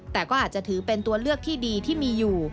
แต่ก็อาจจะถือเป็นตัวเลือกที่ดีที่มีอยู่